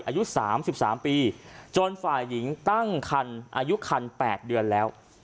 อายุ๓๓ปีจนฝ่ายหญิงตั้งคันอายุคัน๘เดือนแล้ว